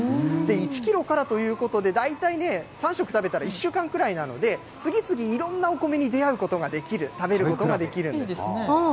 １キロからということで、大体３食食べたら１週間くらいなので、次々いろんなお米に出会うことができる、食べることができるんです。